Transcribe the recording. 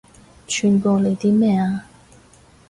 串過你啲咩啊